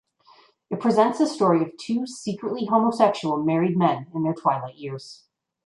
It presents the story of two secretly homosexual married men in their twilight years.